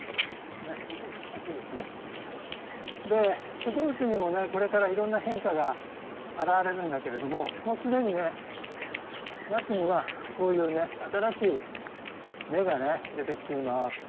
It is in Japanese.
植物にもねこれからいろんな変化が現れるんだけれどももう既にね松にはこういうね新しい芽がね出てきています。